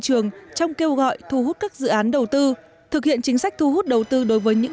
trường trong kêu gọi thu hút các dự án đầu tư thực hiện chính sách thu hút đầu tư đối với những